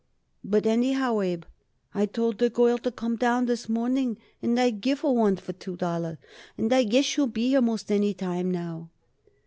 "But, anyhow, Abe, I told the girl to come down this morning and I'd give her one for two dollars, and I guess she'll be here most any time now."